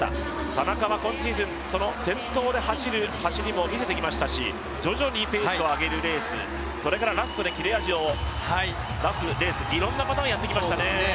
田中は今シーズン、先頭で走る走りも見せてきましたし、徐々にペースを上げるレースそれからラストで切れ味を出すレース、いろんなパターンをやってきましたね。